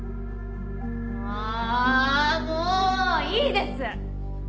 あもういいです！